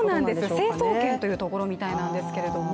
成層圏というところみたいなんですけれども。